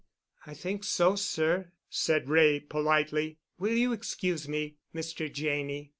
"I think so, sir," said Wray politely. "Will you excuse me, Mr. Janney?"